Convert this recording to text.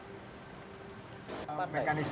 pada saat ini pertama pertama dan ketiga